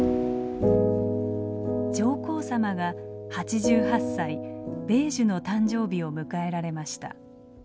上皇さまが８８歳米寿の誕生日を迎えられました。